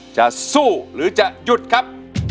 จะสู้หรือจะหยุดครับ